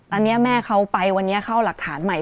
อันนี้แม่เขาไปวันนี้เข้าหลักฐานใหม่